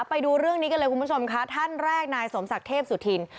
ไปดูเรื่องนี้กันเลยคุณผู้ชมค่ะท่านแรกนายสมศักดิ์เทพสุธิน